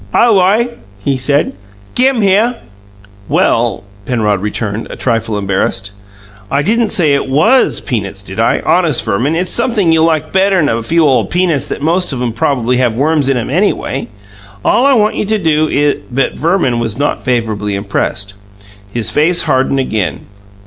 "Aw wi," he said. "Gi'm here." "Well," Penrod returned, a trifle embarrassed, "I didn't say it WAS peanuts, did I? Honest, Verman, it's sumpthing you'll like better'n a few old peanuts that most of 'em'd prob'ly have worms in 'em, anyway. All I want you to do is " But Verman was not favourably impressed; his face hardened again.